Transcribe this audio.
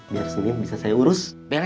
biar sendiri bisa saya urus